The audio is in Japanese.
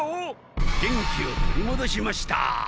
元気を取りもどしました。